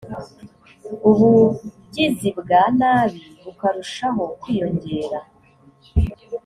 ubugizi bwa nabi bukarushaho kwiyongera